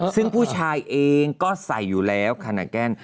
ซึ่งผู้ชายเองก็ใส่อยู่แล้วคานาแกน